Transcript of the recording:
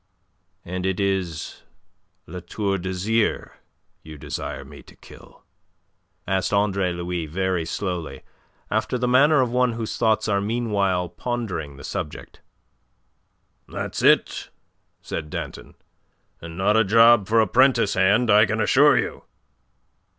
"And it is La Tour d'Azyr you desire me to kill?" asked Andre Louis very slowly, after the manner of one whose thoughts are meanwhile pondering the subject. "That's it," said Danton. "And not a job for a prentice hand, I can assure you."